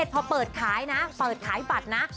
พอเปิดขายนะเปิดขายบัตรนะ